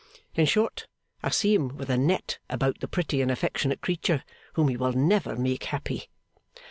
In short, I see him with a net about the pretty and affectionate creature whom he will never make happy.